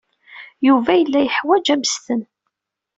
Yuba yella yeḥwaj ammesten.